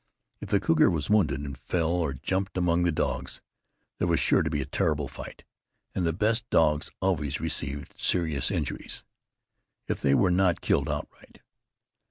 If the cougar was wounded, and fell or jumped among the dogs, there was sure to be a terrible fight, and the best dogs always received serious injuries, if they were not killed outright.